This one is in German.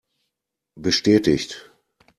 Bestätigt!